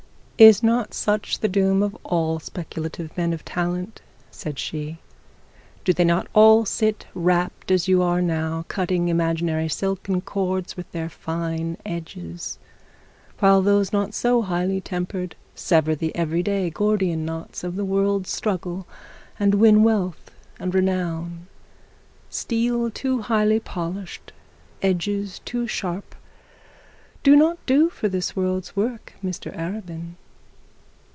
'Is not such the doom of all speculative men of talent?' said she. 'Do they not all sit rapt as you now are, cutting imaginary silken cords with their fine edges, while those not so highly tempered sever the every day Gordian knots of the world's struggle, and win wealth and renown? Steel too highly polished, edges too sharp, do not do for this world's work, Mr Arabin.'